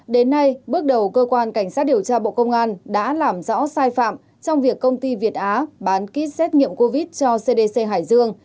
đến nay bước đầu cơ quan cảnh sát điều tra bộ công an đã làm rõ sai phạm trong việc công ty việt á bán kit xét nghiệm covid cho cdc hải dương